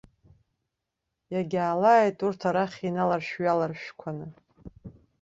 Иагьаалааит урҭ арахь иналаршә-ҩаларшәқәаны.